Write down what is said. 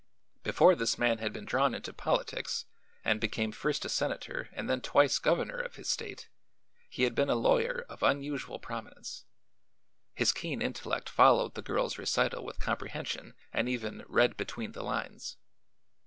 Before this man had been drawn into politics and became first a senator and then twice governor of his state, he had been a lawyer of unusual prominence. His keen intellect followed the girl's recital with comprehension and even "read between the lines."